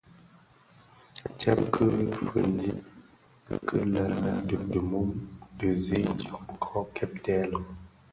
Tsèb ki fiñdim kil è dhi mum dhi zi idyōm kō kèbtèè loň.